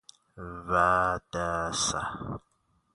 ودص